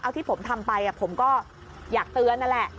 เอาที่ผมทำไปผมก็อยากเตือนนั่นแหละ